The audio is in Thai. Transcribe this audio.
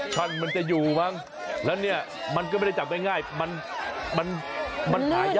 ช่อนมันจะอยู่มั้งแล้วเนี่ยมันก็ไม่ได้จับง่ายมันหายาก